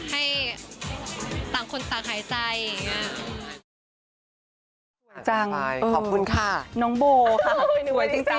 ให้ต่างคนต่างหายใจ